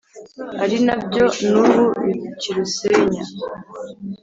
Ari nabyo n`ubu bikirusenya.